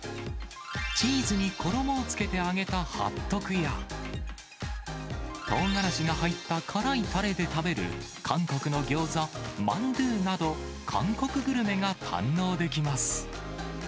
チーズに衣をつけて揚げたハットクや、とうがらしが入った辛いたれで食べる、韓国のギョーザ、マンドゥなど、韓国グルメが堪能できます。